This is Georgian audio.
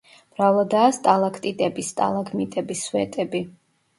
მრავლადაა სტალაქტიტები, სტალაგმიტები, სვეტები.